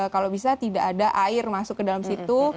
kalau bisa tidak ada air masuk ke dalam situ